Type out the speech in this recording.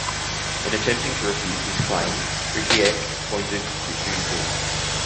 In attempting to refute this claim, Ricicek pointed to two things.